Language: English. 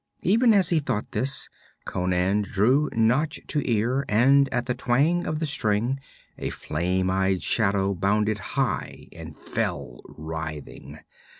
Even as he thought this, Conan drew nock to ear, and at the twang of the string a flame eyed shadow bounded high and fell writhing.